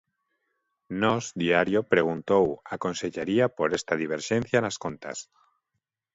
Nós Diario preguntou á Consellaría por esta diverxencia nas contas.